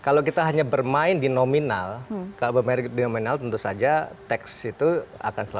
oke kalau kita hanya bermain di nominal kalau bermain di nominal tentu saja teks itu akan berubah